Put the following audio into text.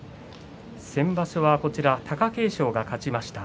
先場所は貴景勝が勝ちました。